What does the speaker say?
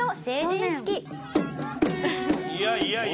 いやいやいや。